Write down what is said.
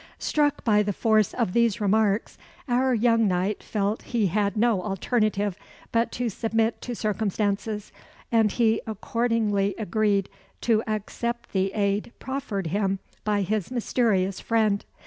Struck by the force of these remarks, our young knight felt he had no alternative but to submit to circumstances, and he accordingly agreed to accept the aid proffered him by his mysterious friend.